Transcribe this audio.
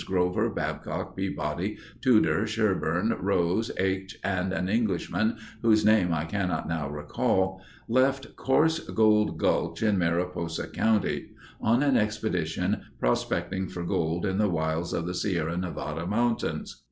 Grover, Babcock, Peabody, Tudor, Sherburn, Rose, Aich, and an Englishman whose name I cannot now recall, left Coarse Gold Gulch in Mariposa County, on an expedition prospecting for gold in the wilds of the Sierra Nevada Mountains.